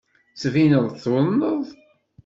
Tettbineḍ-d tuḍneḍ.